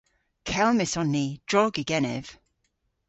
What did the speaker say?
Kelmys on ni, drog yw genev.